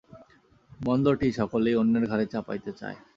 মন্দটি সকলেই অন্যের ঘাড়ে চাপাইতে চায়।